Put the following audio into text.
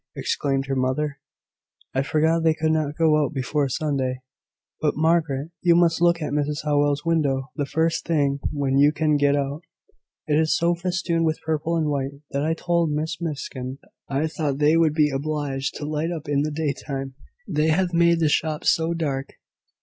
exclaimed her mother. "I forgot they could not go out before Sunday. But, Margaret you must look at Mrs Howell's window the first thing when you can get out. It is so festooned with purple and white, that I told Miss Miskin I thought they would be obliged to light up in the daytime, they have made the shop so dark."